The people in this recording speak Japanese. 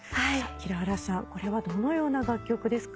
平原さんこれはどのような楽曲ですか？